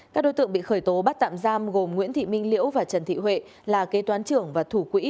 các đối tượng bị khởi tố bắt tạm giam gồm nguyễn thị minh liễu và trần thị huệ là kế toán trưởng và thủ quỹ